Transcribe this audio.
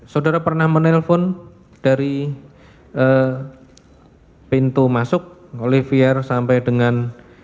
saudara pernah menelpon dari pintu masuk olivier sampai dengan